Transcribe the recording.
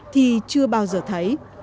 thì chưa bao giờ thấy